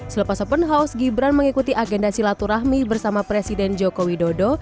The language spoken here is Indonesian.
selepas open house gibran mengikuti agenda silaturahmi bersama presiden joko widodo